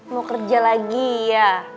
mau kerja lagi ya